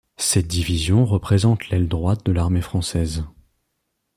Cette Division représente l'aile Droite de l'armée Française.